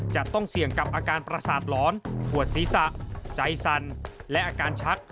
จะต้องเสี่ยงกับอาการประสาทหลอนปวดศีรษะใจสั่นและอาการชัก